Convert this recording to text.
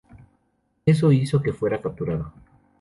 Eso hizo que fuera capturado.